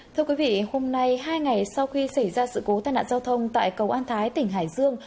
thưa quý vị hôm nay hai ngày sau khi xảy ra sự cố tai nạn giao thông tại cầu an thái tỉnh hải dương